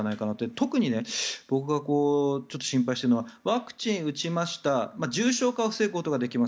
特に僕が心配しているのはワクチンを打ちました重症化を防ぐことができます